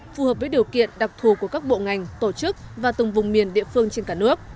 phù hợp với điều kiện đặc thù của các bộ ngành tổ chức và từng vùng miền địa phương trên cả nước